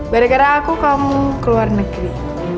bareng bareng aku kamu keluar negeri